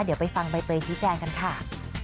เดี๋ยวไปฟังใบเตยชี้แจงกันค่ะ